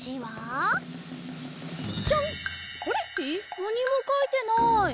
なにもかいてない。